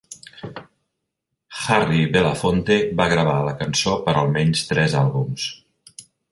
Harry Belafonte va gravar la cançó per almenys tres àlbums.